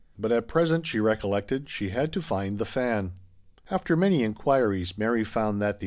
But at present, she recollected, she had to find The Fan. After many inquiries, Mary found that the IN GRUB STREET.